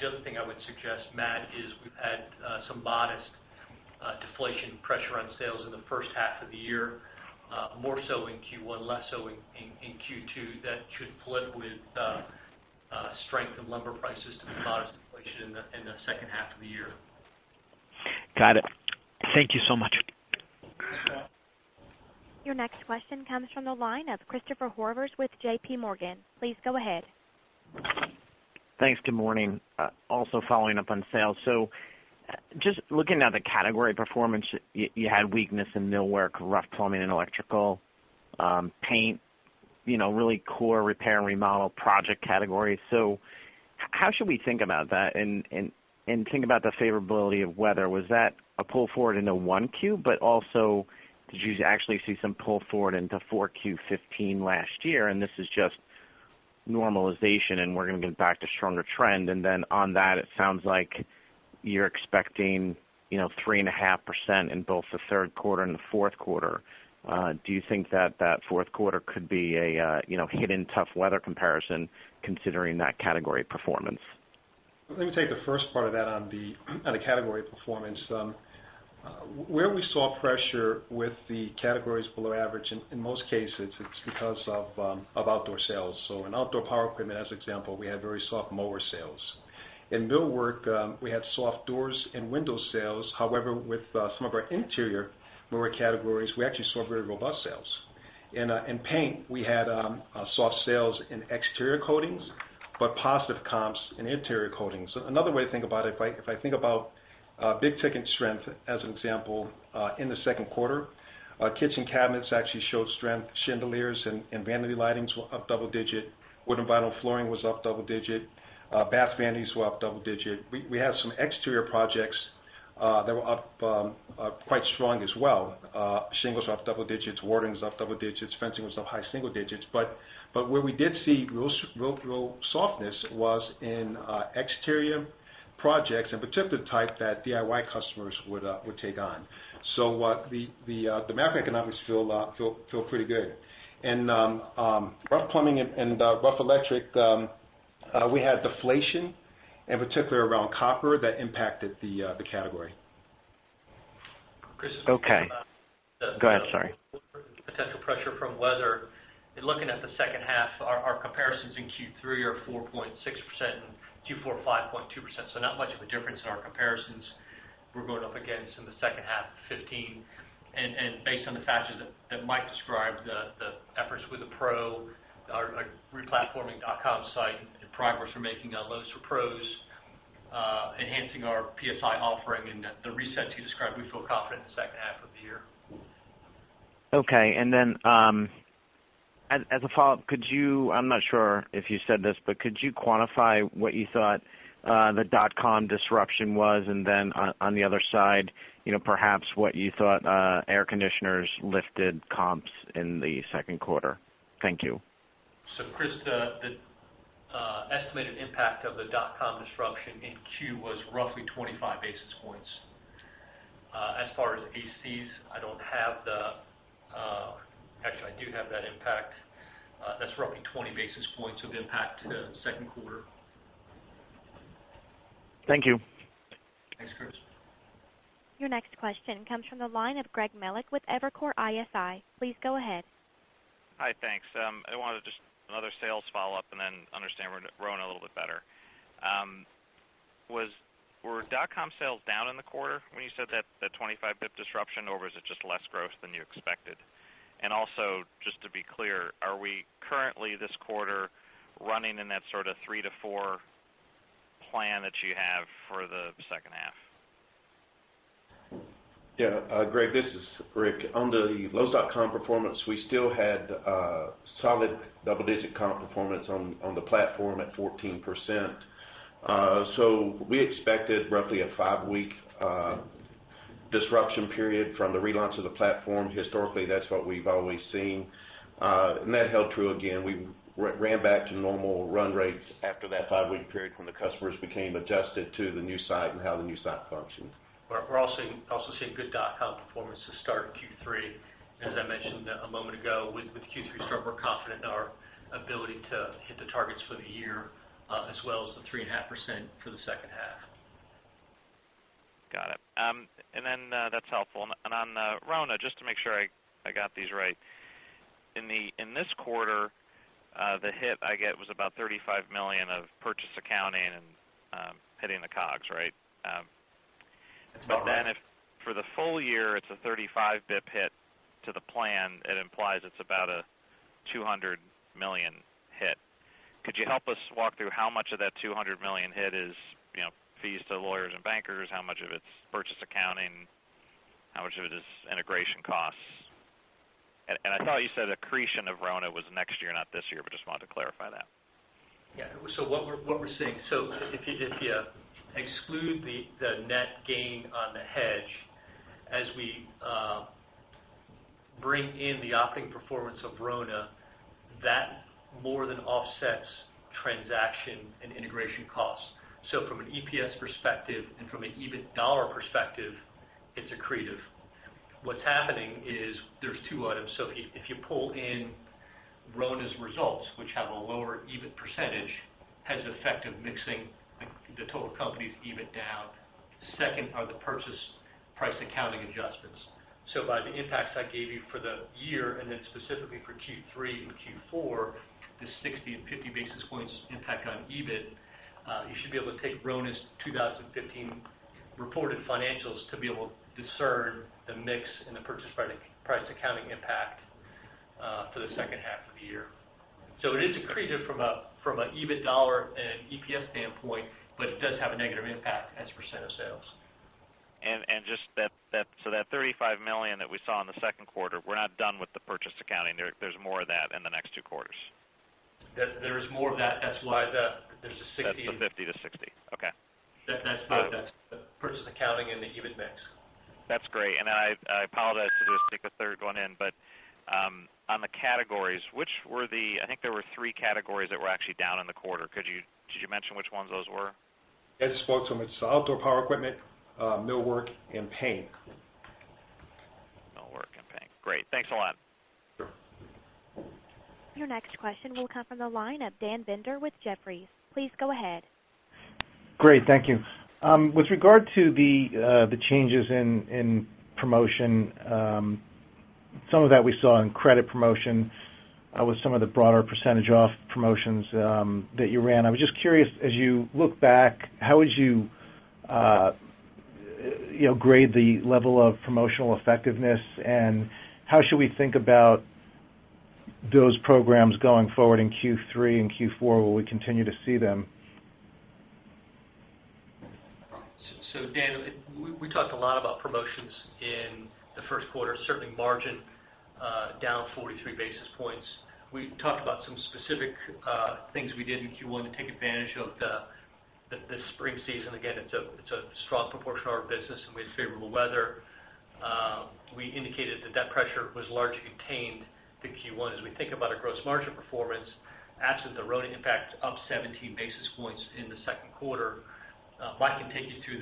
The other thing I would suggest, Matt, is we've had some modest deflation pressure on sales in the first half of the year. More so in Q1, less so in Q2. That should flip with strength in lumber prices to modest inflation in the second half of the year. Got it. Thank you so much. Thanks, Matt. Your next question comes from the line of Christopher Horvers with JP Morgan. Please go ahead. Thanks. Good morning. Just looking at the category performance, you had weakness in millwork, rough plumbing and electrical, paint, really core repair and remodel project categories. How should we think about that, and think about the favorability of weather? Was that a pull forward into one Q? Also, did you actually see some pull forward into 4Q 2015 last year, and this is just normalization, and we're going to get back to stronger trend? On that, it sounds like you're expecting 3.5% in both the third quarter and the fourth quarter. Do you think that that fourth quarter could be a hidden tough weather comparison considering that category performance? Let me take the first part of that on the category performance. Where we saw pressure with the categories below average, in most cases, it's because of outdoor sales. In outdoor power equipment, as example, we had very soft mower sales. In millwork, we had soft doors and windows sales. However, with some of our interior millwork categories, we actually saw very robust sales. In paint, we had soft sales in exterior coatings, but positive comps in interior coatings. Another way to think about it, if I think about big-ticket strength, as an example, in the second quarter, kitchen cabinets actually showed strength. Chandeliers and vanity lightings were up double digit. Wood and vinyl flooring was up double digit. Bath vanities were up double digit. We had some exterior projects that were up quite strong as well. Shingles were up double digits, boardings were up double digits, fencing was up high single digits. Where we did see real softness was in exterior projects, in particular the type that DIY customers would take on. The macroeconomics feel pretty good. Rough plumbing and rough electric, we had deflation, in particular around copper, that impacted the category. Chris- Okay. Go ahead, sorry. Potential pressure from weather. In looking at the second half, our comparisons in Q3 are 4.6% and Q4 5.2%. Not much of a difference in our comparisons we're going up against in the second half 2015. Based on the factors that Mike described, the efforts with the pro, our replatforming lowes.com site, the progress we're making on Lowe's for Pros, enhancing our PSI offering and the reset you described, we feel confident in the second half of the year. Okay. As a follow-up, could you, I'm not sure if you said this, but could you quantify what you thought the lowes.com disruption was? On the other side, perhaps what you thought air conditioners lifted comps in the second quarter. Thank you. Chris, the estimated impact of the .com disruption in Q was roughly 25 basis points. As far as ACs, I don't have the Actually, I do have that impact. That's roughly 20 basis points of impact to the second quarter. Thank you. Thanks, Chris. Your next question comes from the line of Greg Melich with Evercore ISI. Please go ahead. Hi, thanks. I wanted just another sales follow-up and then understand RONA a little bit better. Were lowes.com sales down in the quarter when you said that 25 basis points disruption, or was it just less gross than you expected? Also, just to be clear, are we currently this quarter running in that sort of 3%-4% plan that you have for the second half? Yeah, Greg, this is Rick. On the lowes.com performance, we still had a solid double-digit comp performance on the platform at 14%. We expected roughly a five-week disruption period from the relaunch of the platform. Historically, that's what we've always seen. That held true again. We ran back to normal run rates after that five-week period when the customers became adjusted to the new site and how the new site functioned. We're also seeing good lowes.com performance to start Q3. As I mentioned a moment ago, with Q3 start, we're confident in our ability to hit the targets for the year, as well as the 3.5% for the second half. Got it. That's helpful. On RONA, just to make sure I got these right. In this quarter, the hit I get was about $35 million of purchase accounting and hitting the COGS, right? That's about right. If for the full year it's a 35 basis points hit to the plan, it implies it's about a $200 million hit. Could you help us walk through how much of that $200 million hit is fees to lawyers and bankers? How much of it's purchase accounting? How much of it is integration costs? I thought you said accretion of RONA was next year, not this year, but just wanted to clarify that. What we're seeing, if you exclude the net gain on the hedge, as we bring in the operating performance of RONA, that more than offsets transaction and integration costs. From an EPS perspective and from an EBIT dollar perspective, it's accretive. What's happening is there's two items. If you pull in RONA's results, which have a lower EBIT percentage, has the effect of mixing the total company's EBIT down. Second are the purchase price accounting adjustments. By the impacts I gave you for the year and then specifically for Q3 and Q4, the 60 and 50 basis points impact on EBIT, you should be able to take RONA's 2015 reported financials to be able to discern the mix and the purchase price accounting impact for the second half of the year. It is accretive from an EBIT dollar and an EPS standpoint, but it does have a negative impact as a % of sales. That $35 million that we saw in the second quarter, we're not done with the purchase accounting. There's more of that in the next two quarters. There is more of that. That's why there's a 60- That's the 50 to 60. Okay. That's purchase accounting and the EBIT mix. That's great. I apologize to just stick a third one in, but on the categories, which were the, I think there were three categories that were actually down in the quarter. Could you mention which ones those were? Yeah, I just spoke to them. It's outdoor power equipment, millwork, and paint. Millwork and paint. Great. Thanks a lot. Sure. Your next question will come from the line of Dan Binder with Jefferies. Please go ahead. Great. Thank you. With regard to the changes in promotion, some of that we saw in credit promotion, with some of the broader percentage off promotions that you ran. I was just curious, as you look back, how would you grade the level of promotional effectiveness, and how should we think about those programs going forward in Q3 and Q4? Will we continue to see them? Dan, we talked a lot about promotions in the first quarter, certainly margin down 43 basis points. We talked about some specific things we did in Q1 to take advantage of the spring season. Again, it's a strong proportion of our business, and we had favorable weather. We indicated that that pressure was largely contained to Q1. As we think about our gross margin performance, absent the RONA impact up 17 basis points in the second quarter, Mike can take you through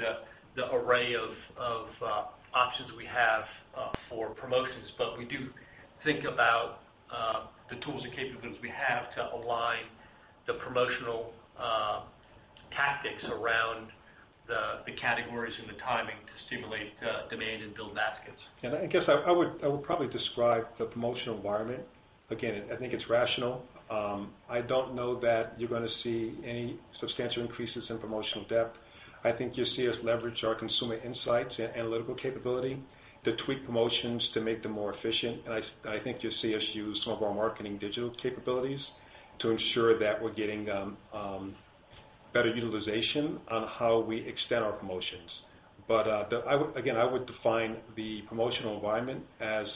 the array of options we have for promotions. We do think about the tools and capabilities we have to align the promotional tactics around the categories and the timing to stimulate demand and build baskets. I guess I would probably describe the promotional environment. Again, I think it's rational. I don't know that you're going to see any substantial increases in promotional depth. I think you'll see us leverage our consumer insights and analytical capability to tweak promotions to make them more efficient. I think you'll see us use some of our marketing digital capabilities to ensure that we're getting better utilization on how we extend our promotions. Again, I would define the promotional environment as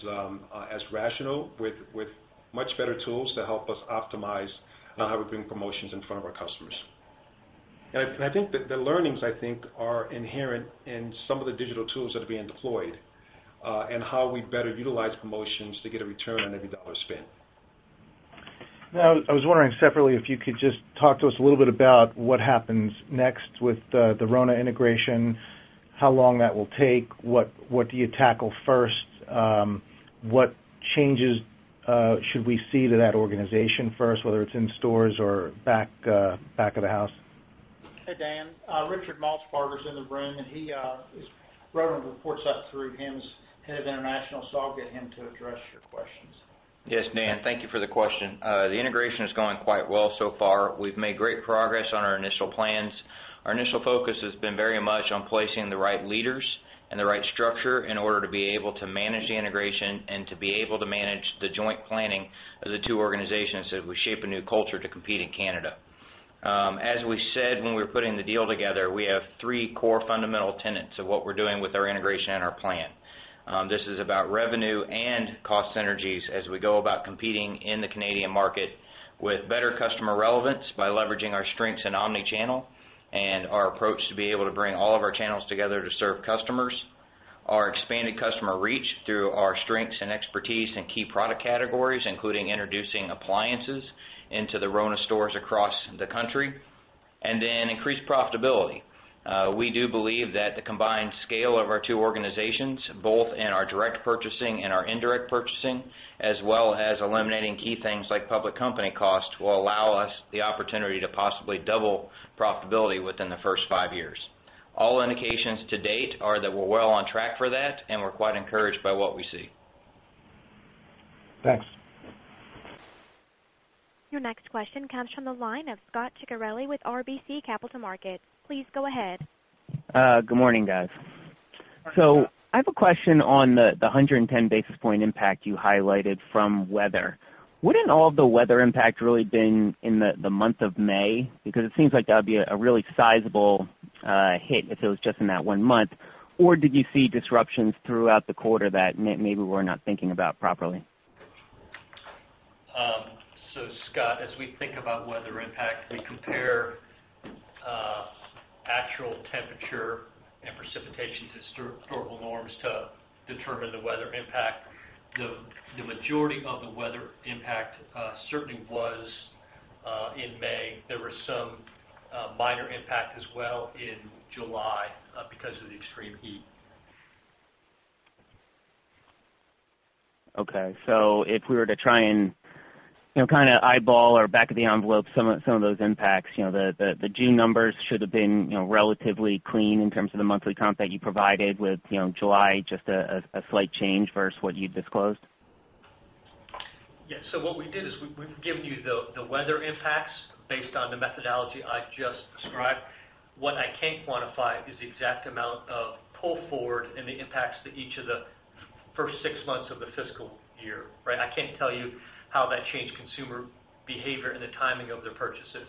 rational with much better tools to help us optimize on how we bring promotions in front of our customers. I think that the learnings are inherent in some of the digital tools that are being deployed, and how we better utilize promotions to get a return on every dollar spent. I was wondering separately if you could just talk to us a little bit about what happens next with the RONA integration, how long that will take, what do you tackle first? What changes should we see to that organization first, whether it's in stores or back of the house? Hey, Dan. Richard Maltsbarger is in the room. RONA reports up through him as head of international. I'll get him to address your questions. Yes, Dan, thank you for the question. The integration is going quite well so far. We've made great progress on our initial plans. Our initial focus has been very much on placing the right leaders and the right structure in order to be able to manage the integration and to be able to manage the joint planning of the two organizations as we shape a new culture to compete in Canada. As we said when we were putting the deal together, we have three core fundamental tenets of what we're doing with our integration and our plan. This is about revenue and cost synergies as we go about competing in the Canadian market with better customer relevance by leveraging our strengths in omni-channel and our approach to be able to bring all of our channels together to serve customers. Our expanded customer reach through our strengths and expertise in key product categories, including introducing appliances into the RONA stores across the country, then increased profitability. We do believe that the combined scale of our two organizations, both in our direct purchasing and our indirect purchasing, as well as eliminating key things like public company cost, will allow us the opportunity to possibly double profitability within the first five years. All indications to date are that we're well on track for that. We're quite encouraged by what we see. Thanks. Your next question comes from the line of Scot Ciccarelli with RBC Capital Markets. Please go ahead. Good morning, guys. I have a question on the 110 basis point impact you highlighted from weather. Wouldn't all of the weather impact really been in the month of May? It seems like that would be a really sizable hit if it was just in that one month. Did you see disruptions throughout the quarter that maybe we're not thinking about properly? Scot, as we think about weather impact, we compare actual temperature and precipitation to historical norms to determine the weather impact. The majority of the weather impact certainly was in May. There was some minor impact as well in July because of the extreme heat. Okay. If we were to try and eyeball or back of the envelope some of those impacts, the June numbers should have been relatively clean in terms of the monthly comp that you provided with July, just a slight change versus what you disclosed? Yes. What we did is we've given you the weather impacts based on the methodology I just described. What I can't quantify is the exact amount of pull forward and the impacts to each of the first six months of the fiscal year. Right. I can't tell you how that changed consumer behavior and the timing of their purchases.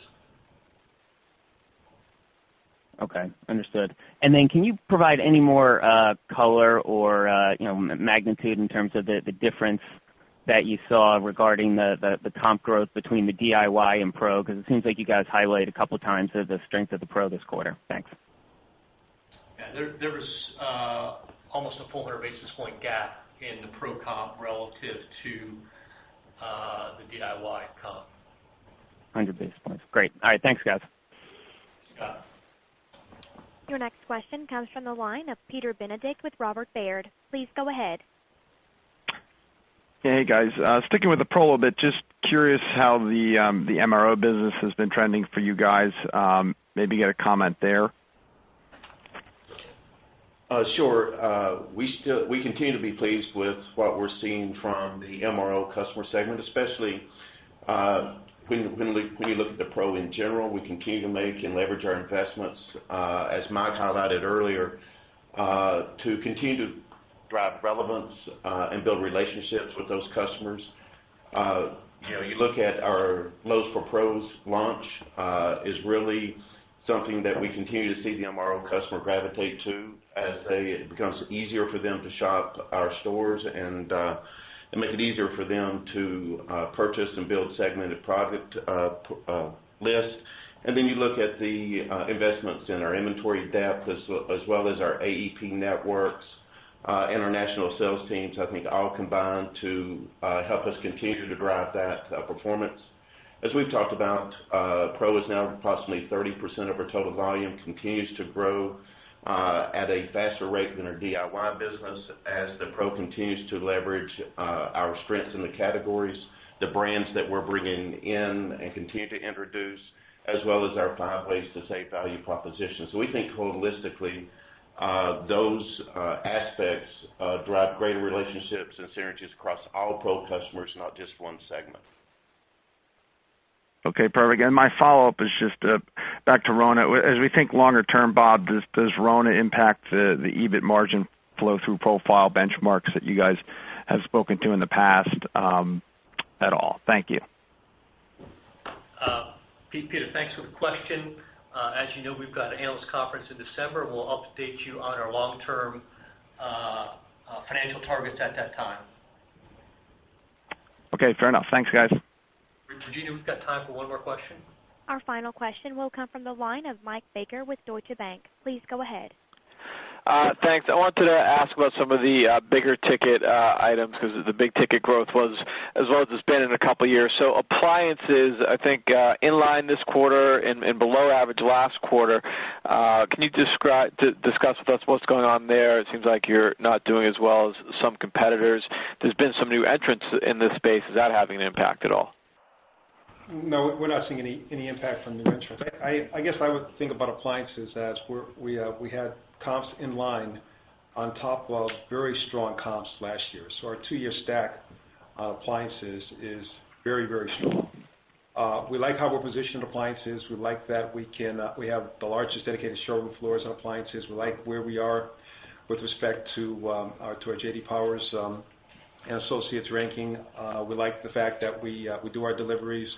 Okay, understood. Then can you provide any more color or magnitude in terms of the difference that you saw regarding the comp growth between the DIY and pro? Because it seems like you guys highlighted a couple of times the strength of the pro this quarter. Thanks. Yeah. There was almost a 400 basis point gap in the pro comp relative to the DIY comp. 400 basis points. Great. All right. Thanks, guys. Scot. Your next question comes from the line of Peter Benedict with Robert W. Baird. Please go ahead. Hey, guys. Sticking with the pro a little bit, just curious how the MRO business has been trending for you guys. Maybe get a comment there. Sure. We continue to be pleased with what we're seeing from the MRO customer segment, especially when we look at the pro in general. We continue to make and leverage our investments, as Mike highlighted earlier, to continue to drive relevance and build relationships with those customers. You look at our Lowe's for Pros launch is really something that we continue to see the MRO customer gravitate to as it becomes easier for them to shop our stores and make it easier for them to purchase and build segmented product lists. Then you look at the investments in our inventory depth as well as our AEP networks and our national sales teams, I think all combine to help us continue to drive that performance. As we've talked about, pro is now approximately 30% of our total volume, continues to grow at a faster rate than our DIY business as the pro continues to leverage our strengths in the categories, the brands that we're bringing in and continue to introduce, as well as our five ways to save value propositions. We think holistically, those aspects drive greater relationships and synergies across all pro customers, not just one segment. Okay, perfect. My follow-up is just back to RONA. As we think longer term, Bob, does RONA impact the EBIT margin flow through profile benchmarks that you guys have spoken to in the past at all? Thank you. Pete, thanks for the question. As you know, we've got an analyst conference in December. We'll update you on our long-term financial targets at that time. Okay, fair enough. Thanks, guys. Virginia, we've got time for one more question. Our final question will come from the line of Mike Baker with Deutsche Bank. Please go ahead. Thanks. I wanted to ask about some of the bigger ticket items because the big ticket growth was as low as it's been in a couple of years. Appliances, I think, in line this quarter and below average last quarter. Can you discuss with us what's going on there? It seems like you're not doing as well as some competitors. There's been some new entrants in this space. Is that having an impact at all? No, we're not seeing any impact from new entrants. I guess I would think about appliances as we had comps in line on top of very strong comps last year. Our two-year stack on appliances is very, very strong. We like how we're positioned in appliances. We like that we have the largest dedicated showroom floors on appliances. We like where we are with respect to our J.D. Power and Associates ranking. We like the fact that we do our deliveries.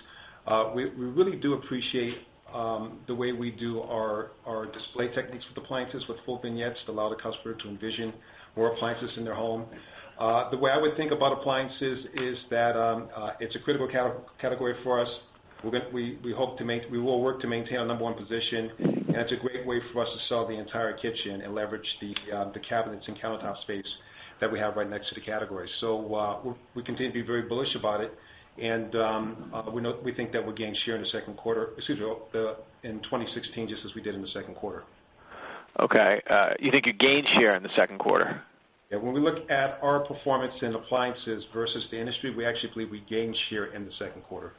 We really do appreciate the way we do our display techniques with appliances with full vignettes that allow the customer to envision more appliances in their home. The way I would think about appliances is that it's a critical category for us. We will work to maintain our number 1 position, and it's a great way for us to sell the entire kitchen and leverage the cabinets and countertop space that we have right next to the category. We continue to be very bullish about it and we think that we're gaining share in 2016, just as we did in the second quarter. Okay. You think you gained share in the second quarter? Yeah, when we look at our performance in appliances versus the industry, we actually believe we gained share in the second quarter.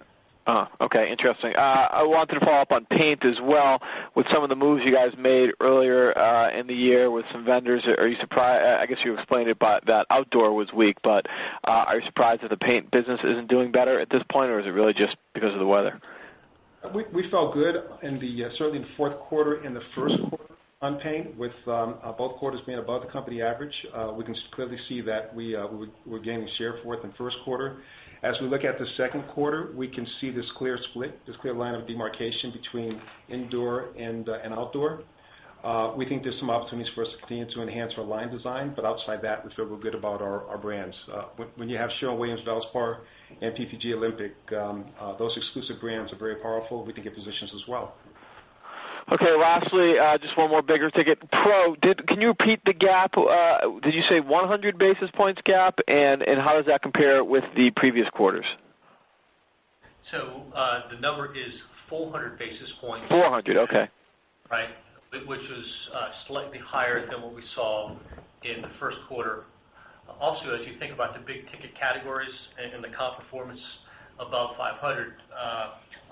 Okay, interesting. I wanted to follow up on paint as well with some of the moves you guys made earlier in the year with some vendors. I guess you explained it by that outdoor was weak, but are you surprised that the paint business isn't doing better at this point, or is it really just because of the weather? We felt good certainly in the fourth quarter and the first quarter on paint with both quarters being above the company average. We can clearly see that we're gaining share fourth and first quarter. As we look at the second quarter, we can see this clear split, this clear line of demarcation between indoor and outdoor. We think there's some opportunities for us to continue to enhance our line design, but outside that, we feel real good about our brands. When you have Sherwin-Williams, Valspar, and PPG Olympic, those exclusive brands are very powerful. We think it positions us well. Okay, lastly just one more bigger ticket. Pro, can you repeat the gap? Did you say 100 basis points gap? How does that compare with the previous quarters? The number is 400 basis points. 400, okay. Right. Which is slightly higher than what we saw in the first quarter. As you think about the big ticket categories and the comp performance above 500,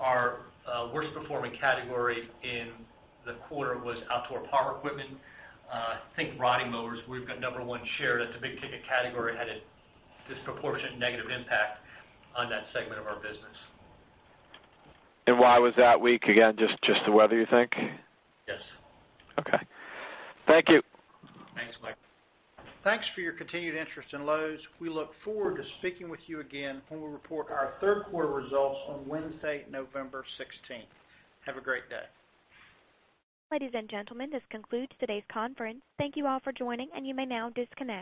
our worst performing category in the quarter was outdoor power equipment. Think riding mowers. We've got number 1 share. That's a big ticket category, had a disproportionate negative impact on that segment of our business. Why was that weak again? Just the weather, you think? Yes. Okay. Thank you. Thanks, Mike. Thanks for your continued interest in Lowe's. We look forward to speaking with you again when we report our third quarter results on Wednesday, November 16th. Have a great day. Ladies and gentlemen, this concludes today's conference. Thank you all for joining, and you may now disconnect.